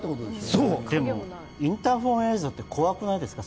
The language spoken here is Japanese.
インターホン映像って怖くないですか？